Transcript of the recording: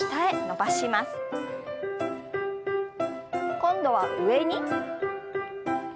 今度は上に。